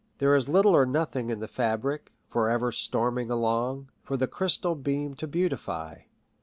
There is little or nothing in the fabric, for ever storming along, for the crystal beam to beautify.